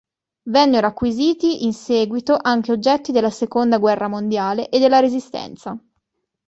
Vennero acquisiti in seguito anche oggetti della seconda guerra mondiale e della resistenza.